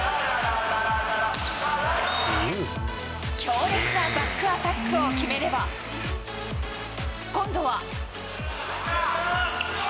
強烈なバックアタックを決めれば、今度は。